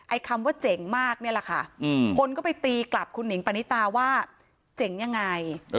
คำว่าเจ๋งมากนี่แหละค่ะคนก็ไปตีกลับคุณหนิงปณิตาว่าเจ๋งยังไง